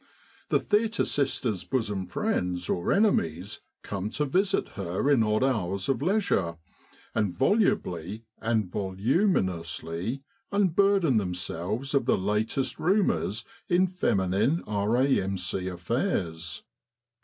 The theatre sister"s bosom friends or enemies come to visit her in odd hours of leisure, and volubly and voluminously unburden themselves of the latest rumours in feminine R.A.M.C. affairs.